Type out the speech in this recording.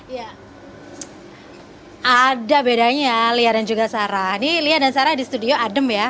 ya ada bedanya lia dan juga sarah ini lia dan sarah di studio adem ya